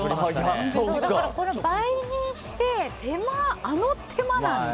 だから、倍にしてあの手間なので。